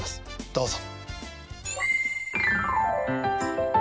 どうぞ。